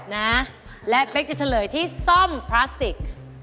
นะและเป๊กจะเฉลยที่ซ่อมพลาสติก